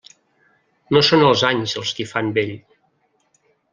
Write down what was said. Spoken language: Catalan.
No són els anys els qui fan vell.